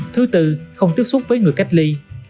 thứ tư không tiếp xúc với người cách ly